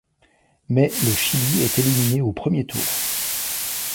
Mais le Chili est éliminé au premier tour.